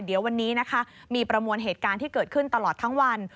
เดี๋ยววันนี้นะคะมีประมวลเหตุการณ์ที่เกิดขึ้นตลอดทั้งวัน